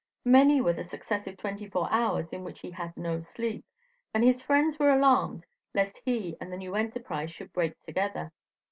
Many were the successive twenty four hours in which he had no sleep, and his friends were alarmed lest he and the new enterprise should break together.